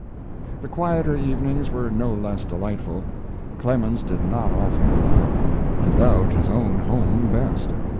] The quieter evenings were no less delightful. Clemens did not often go out. He loved his own home best.